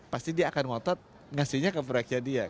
pasti dia akan ngotot ngasihnya ke proyeknya dia